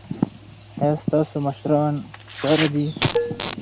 ایا ستاسو مشران هوښیار دي؟